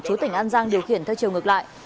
chú tỉnh an giang điều khiển theo chiều ngược lại